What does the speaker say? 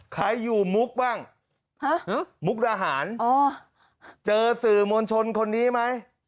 ใครอยู่มุกบ้างมุกดาหารเจอสื่อมวลชนคนนี้ไหม